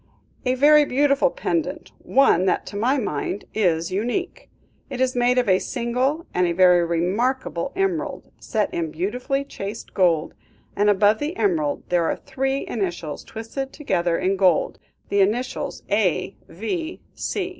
"A very beautiful pendant, one that, to my mind, is unique. It is made of a single and very remarkable emerald, set in beautifully chased gold, and above the emerald there are three initials twisted together in gold; the initials A.V.